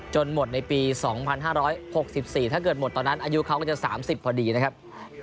จนหมดในปีสองพันห้าร้อยหกสิบสี่ถ้าเกิดหมดตอนนั้นอายุเขาก็จะสามสิบพอดีนะครับ